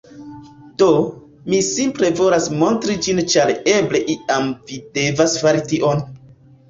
Do, mi simple volas montri ĝin ĉar eble iam vi devas fari tion